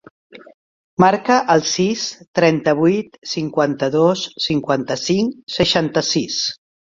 Marca el sis, trenta-vuit, cinquanta-dos, cinquanta-cinc, seixanta-sis.